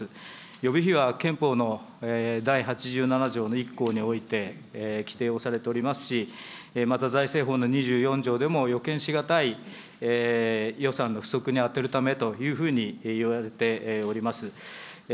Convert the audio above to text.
予備費は憲法の第８７条の１項において規定をされておりますし、また財政法の２４条でも予見し難い予算の不足に充てるためというふうにいわれております。